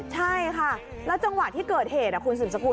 ใช่ค่ะแล้วจังหวะที่เกิดเหตุคุณสืบสกุล